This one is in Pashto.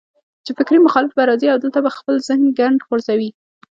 چې فکري مخالف به راځي او دلته به خپل ذهني ګند غورځوي